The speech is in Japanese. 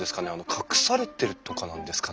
隠されてるとかなんですかね？